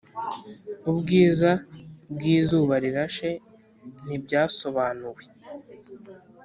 ubwiza bwizuba rirashe ntibyasobanuwe.